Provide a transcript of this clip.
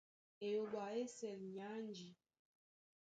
Eyoɓo á ésɛl é anji.